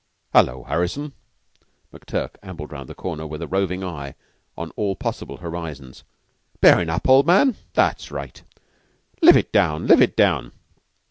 "Hullo, Harrison." McTurk ambled round the corner, with a roving eye on all possible horizons. "Bearin' up, old man? That's right. Live it down! Live it down!"